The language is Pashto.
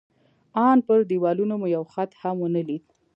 ان پر دېوالونو مو یو خط هم ونه لید.